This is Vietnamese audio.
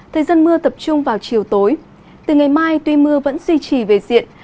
thời gian mưa tập trung vào chiều tối từ ngày mai tuy mưa vẫn duy trì về diện